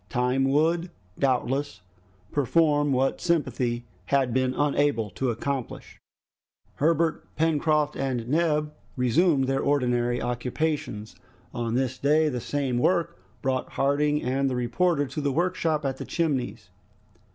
Time would doubtless perform what sympathy had been unable to accomplish. Herbert, Pencroft, and Neb resumed their ordinary occupations. On this day the same work brought Harding and the reporter to the workshop at the Chimneys.